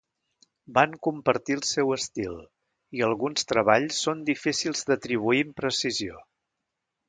Van compartir el seu estil, i alguns treballs són difícils d'atribuir amb precisió.